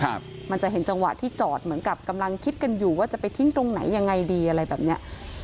มันจะเห็นจังหวะที่จอดเหมือนกับกำลังคิดกันอยู่ว่าจะไปทิ้งตรงไหนยังไงดีอะไรแบบเนี้ย